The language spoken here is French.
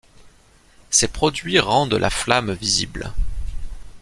Ces produits rendent la flamme visible.